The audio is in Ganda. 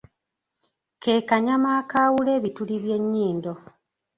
Ke kanyama akaawula ebituli by'enyindo.